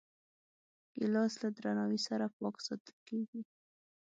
ګیلاس له درناوي سره پاک ساتل کېږي.